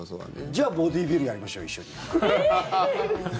じゃあボディービルやりましょう、一緒に。